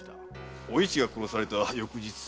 おいちが殺された翌日。